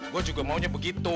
gue juga maunya begitu